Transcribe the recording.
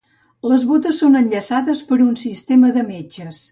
Les bótes són enllaçades per un sistema de metxes.